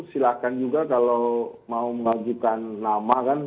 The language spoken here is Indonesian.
silahkan juga kalau mau mengajukan nama kan